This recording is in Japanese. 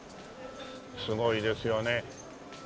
すごいですよね。